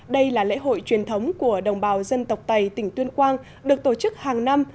đây là lễ hội truyền thống của đồng bào dân tộc tày tỉnh tuyên quang được tổ chức hàng năm